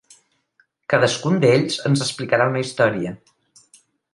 Cadascun d'ells ens explicarà una història.